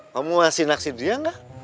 kamu masih naksi dia gak